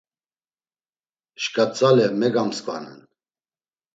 Şkatzale megamskvanen.